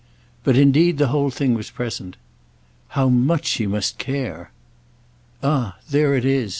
But indeed the whole thing was present. "How much she must care!" "Ah there it is.